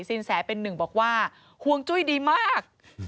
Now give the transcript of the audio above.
สินแสเป็นหนึ่งบอกว่าห่วงจุ้ยดีมาก